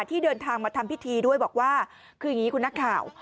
ที่เดินทางมาทำพิธีด้วยบอกว่าคืออย่างนี้คุณนักข่าว